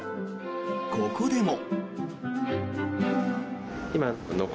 ここでも。